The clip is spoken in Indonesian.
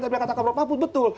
tapi kata pak prof mahfud betul